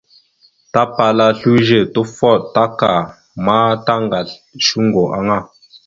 Tapala slʉze, tufoɗ, taka ma tagasl shʉŋgo aŋa.